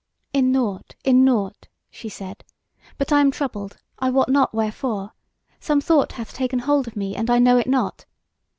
"In nought, in nought," she said; "but I am troubled, I wot not wherefore; some thought hath taken hold of me, and I know it not.